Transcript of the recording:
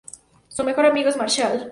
Su mejor amigo es Marshall.